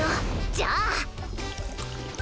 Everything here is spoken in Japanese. じゃあ。